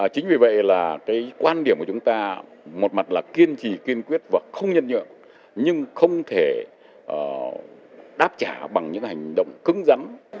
chính vì vậy là cái quan điểm của chúng ta một mặt là kiên trì kiên quyết và không nhân nhượng nhưng không thể đáp trả bằng những hành động cứng rắn